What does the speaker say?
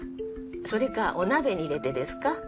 それかお鍋に入れてですか？